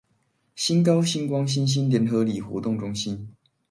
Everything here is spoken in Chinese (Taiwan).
新高新光新興聯合里活動中心